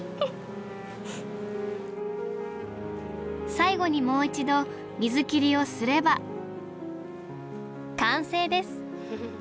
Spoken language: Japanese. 最後にもう一度水切りをすれば完成です！